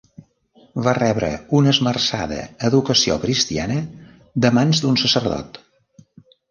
Va rebre una esmerçada educació cristiana de mans d'un sacerdot.